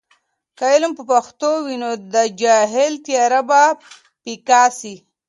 که علم په پښتو وي، نو د جهل تیاره به پیکه سي.